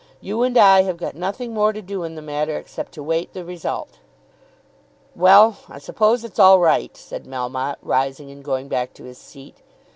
You and I have got nothing more to do in the matter except to wait the result." "Well; I suppose it's all right," said Melmotte, rising and going back to his seat.